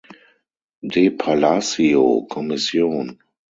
De Palacio, Kommission.